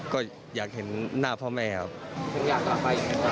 ก็อยากเห็นหน้าพ่อแม่ครับ